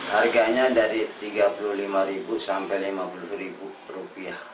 harganya dari tiga puluh lima sampai lima puluh rupiah